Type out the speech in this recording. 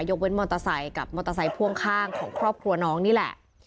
เว้นมอเตอร์ไซค์กับมอเตอร์ไซค์พ่วงข้างของครอบครัวน้องนี่แหละ